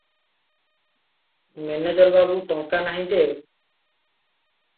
Manager ବାବୁ, "ଟଙ୍କା ନାହିଁ ଯେ ।"